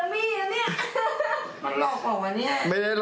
มันหลอกเหรอวะเนี่ย